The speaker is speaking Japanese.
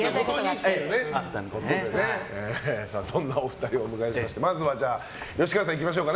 そんなお二人をお迎えしてまずは吉川さんいきましょう。